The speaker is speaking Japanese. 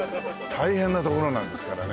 大変な所なんですからね。